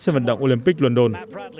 trên vận động olympic london